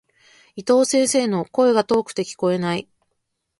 伊藤先生の、声が遠くて聞こえない。